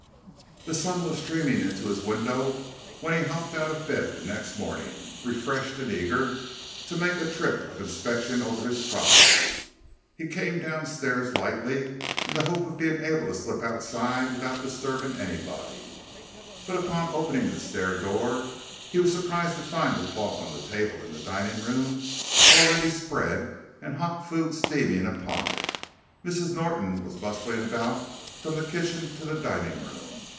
The sun was streaming into his window when he hopped out of bed the next morning, refreshed and eager to make a trip of inspection over his property. He came down stairs lightly, in the hope of being able to slip outside without disturbing anybody, but upon opening the stair door he was surprised to find the cloth on the table in the dining room already spread and hot food steaming upon it. Mrs. Norton was bustling about from the kitchen to the dining room.